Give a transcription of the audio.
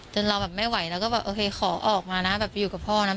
เราแบบไม่ไหวแล้วก็แบบโอเคขอออกมานะแบบไปอยู่กับพ่อนะ